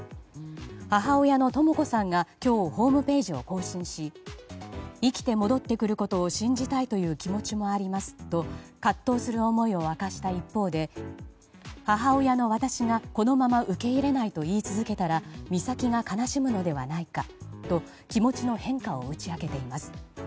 母親のとも子さんが今日、ホームページを更新し生きて戻ってくることを信じたいという気持ちもありますと葛藤する思いを明かした一方で母親の私が、このまま受け入れないと言い続けたら美咲が悲しむのではないかと気持ちの変化を打ち明けています。